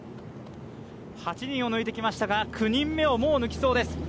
８人を抜いてきましたが、９人目をもう抜きそうです。